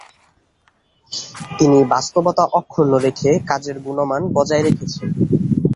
তিনি বাস্তবতা অক্ষুণ্ন রেখে কাজের গুণমান বজায় রেখেছেন।